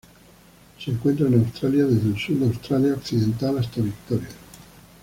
Se encuentra en Australia: desde el sur de Australia Occidental hasta Victoria.